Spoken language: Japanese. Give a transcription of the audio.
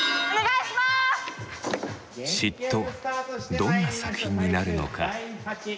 どんな作品になるのか。